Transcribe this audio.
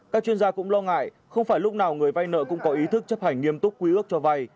các chuyên gia cũng lo ngại không phải lúc nào người vay nợ cũng có ý thức chấp hành nghiêm túc quy ước cho vay